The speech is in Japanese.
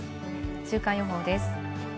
週間予報です。